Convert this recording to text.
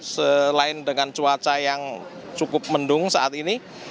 selain dengan cuaca yang cukup mendung saat ini